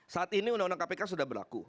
saat ini undang undang kpk sudah berlaku